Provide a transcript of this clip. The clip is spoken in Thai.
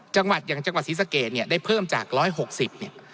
จังหวัดอย่างจังหวัดศรีสะเกดเนี่ยได้เพิ่มจาก๑๖๐เนี่ย